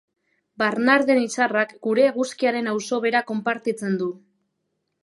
Barnarden izarrak gure eguzkiaren auzo bera konpartitzen du.